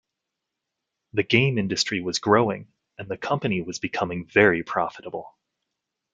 The game industry was growing, and the company was becoming very profitable.